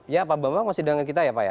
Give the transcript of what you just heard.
ya pak bambang masih dengan kita ya pak ya